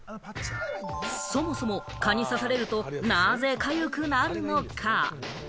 そもそも蚊に刺されると、なぜかゆくなるのか？